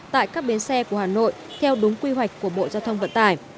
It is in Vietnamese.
tại các bến xe của hà nội theo đúng quy hoạch của bộ giao thông vận tải